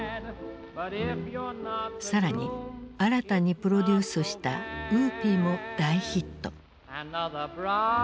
更に新たにプロデュースした「ウーピー」も大ヒット。